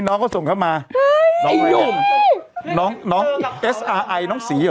นรทบริหารสรีต้องส่งมาให้